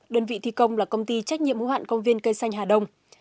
đơn vị thi công là công ty trách nhiệm hữu hạn công viên cây xanh hà đông